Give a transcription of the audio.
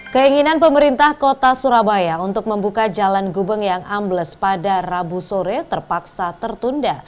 keinginan pemerintah kota surabaya untuk membuka jalan gubeng yang ambles pada rabu sore terpaksa tertunda